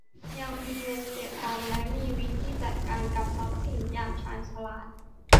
ยังมีเงินเก็บเงินออมและมีวิธีจัดการกับทรัพย์สินอย่างชาญฉลาด